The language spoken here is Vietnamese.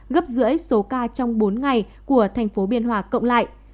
gấp rưỡi số ca trong bốn ngày của thành phố biên hòa cộng lại